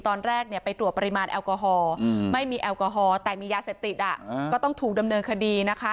ตอนแรกไปตรวจปริมาณแอลกอฮอล์ไม่มีแอลกอฮอล์แต่มียาเสพติดก็ต้องถูกดำเนินคดีนะคะ